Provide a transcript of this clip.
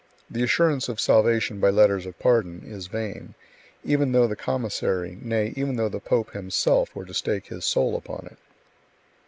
The assurance of salvation by letters of pardon is vain, even though the commissary, nay, even though the pope himself, were to stake his soul upon it.